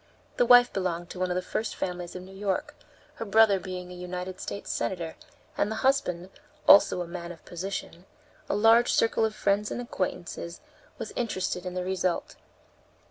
The wife belonged to one of the first families of New York, her brother being a United States senator, and the husband, also, a man of position; a large circle of friends and acquaintances was interested in the result.